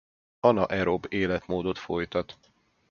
Anaerob életmódot folytat.